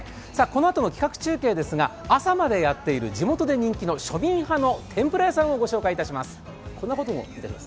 このあとの企画中継ですが朝までやっている地元で人気の庶民派の天ぷら屋さんをご紹介します。